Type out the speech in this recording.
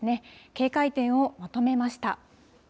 警戒点をまとめました。